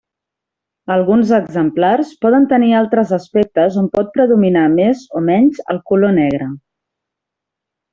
Alguns exemplars poden tenir altres aspectes on pot predominar més o menys el color negre.